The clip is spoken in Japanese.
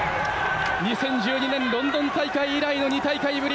２０１２年、ロンドン大会以来の２大会ぶり